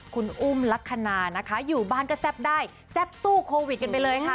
คุณอุ้มลักษณะนะคะอยู่บ้านก็แซ่บได้แซ่บสู้โควิดกันไปเลยค่ะ